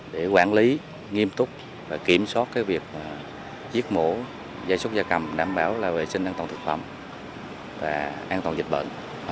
để quản lý nghiêm túc kiểm soát việc giết mổ gia súc gia cầm đảm bảo là vệ sinh an toàn thực phẩm và an toàn dịch bệnh